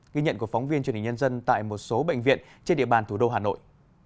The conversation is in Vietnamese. ghi nhận của phóng viên truyền hình nhân dân tại một số bệnh viện trên địa bàn thủ đô hà nội